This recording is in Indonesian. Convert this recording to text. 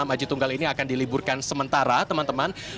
satu ratus enam aji tunggal ini akan diliburkan sementara teman teman